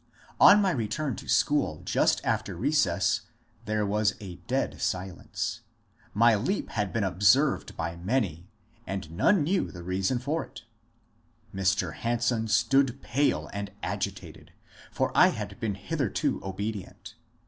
On my return to school just after recess, there was a dead silence ; 38 MONCURE DANIEL CONWAY my leap had been observed by many, and none knew the rea son for it. Mr. Hanson stood pale and agitated, for I had been hitherto obedient.